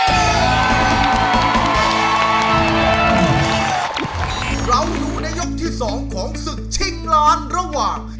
เราอยู่ในยกที่๒ของศึกชิงล้านระหว่าง